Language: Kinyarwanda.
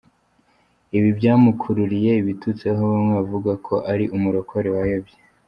Ibi byamukururiye ibitutsi aho bamwe bavugaga ko ‘ari umurokore wayobye’.